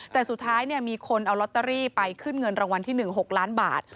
แต่สุดท้ายมีคนเอาลอตเตอรี่ไปขึ้นเงินรางวัลที่๑๖ล้านบาท